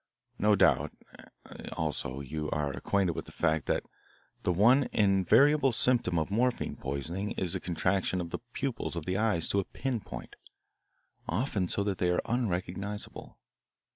No doubt, also, you are acquainted with the fact that the one invariable symptom of morphine poisoning is the contraction of the pupils of the eyes to a pin point often so that they are unrecognisable.